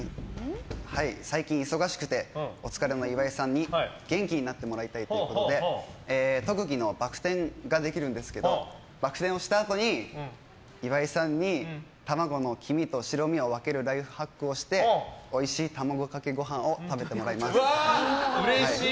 最近忙しくてお疲れの岩井さんに元気になってもらいたいということで特技のバク転ができるんですけどバク転をしたあとに岩井さんに卵の黄身と白身を分けるライフハックをしておいしい卵かけご飯をうれしい！